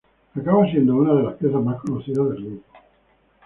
Acaba siendo una de las piezas más conocidas del grupo.